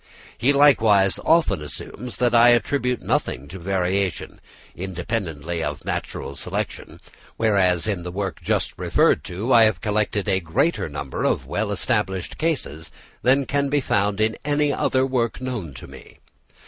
He likewise often assumes that I attribute nothing to variation, independently of natural selection, whereas in the work just referred to I have collected a greater number of well established cases than can be found in any other work known to me.